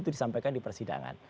itu disampaikan di persidangan